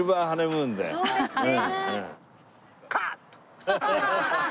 そうですね。